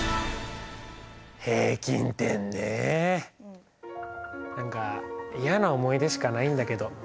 平均点ね何か嫌な思い出しかないんだけど。